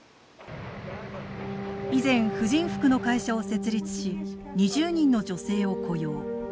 以前婦人服の会社を設立し２０人の女性を雇用。